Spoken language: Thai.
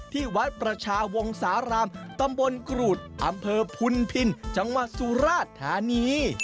ที่วัดประชาวงศาลามตำบลกรูดอำเภอพุนพินจังหวัดสุราชธานี